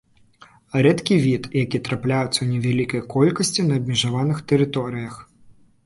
Рэдкі від, які трапляецца ў невялікай колькасці на абмежаваных тэрыторыях.